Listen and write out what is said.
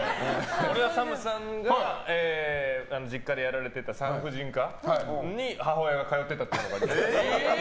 ＳＡＭさんが実家でやられてた産婦人科に母親が通っていたという。